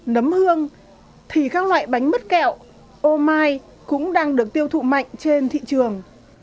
nấm hương thì các loại bánh mứt kẹo ô mai cũng đang được tiêu thụ mạnh trên thị trường